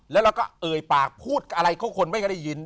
แล้วเราก็เอ่ยปากพูดอะไรเขาคนไม่ค่อยได้ยิน